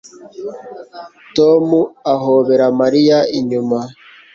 Tom ahobera Mariya inyuma